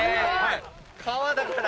川だから。